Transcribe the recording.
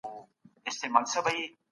سازمانونه به د بشري حقونو قانون پلی کړي.